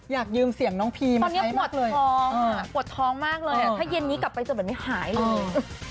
อยากยืมเสียงน้องพีมตอนนี้ปวดท้องปวดท้องมากเลยถ้าเย็นนี้กลับไปจะแบบไม่หายเลย